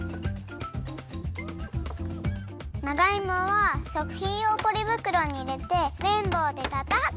長いもはしょくひんようポリぶくろにいれてめんぼうでたたく！